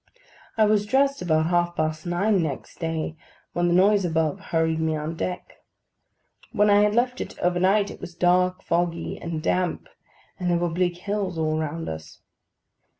I was dressing about half past nine next day, when the noise above hurried me on deck. When I had left it overnight, it was dark, foggy, and damp, and there were bleak hills all round us.